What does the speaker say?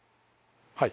はい。